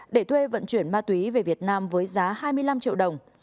để thuê vận chuyển ma túy về việt nam với giá hai mươi năm triệu đồng